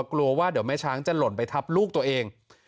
กลัวว่าเดี๋ยวแม่ช้างจะหล่นไปทับลูกตัวเอง